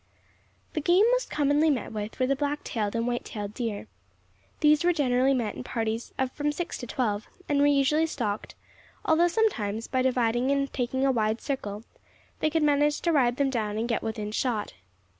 The game most commonly met with were the black tailed and white tailed deer. These were generally met with in parties of from six to twelve, and were usually stalked, although sometimes, by dividing and taking a wide circle, they could manage to ride them down and get within shot.